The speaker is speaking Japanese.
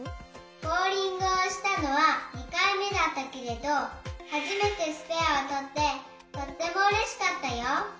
ボウリングをしたのは２かいめだったけれどはじめてスペアをとってとってもうれしかったよ。